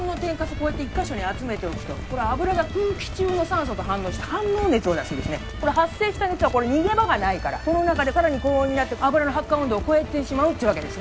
こうやって１カ所に集めておくと油が空気中の酸素と反応して反応熱を出すんですね発生した熱は逃げ場がないからこの中でさらに高温になって油の発火温度を超えてしまうわけです